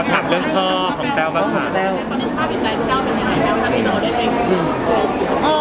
ขอถามเรื่องพ่อของแต้วบ้างค่ะ